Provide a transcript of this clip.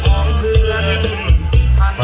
ขอบคุณทุกครับ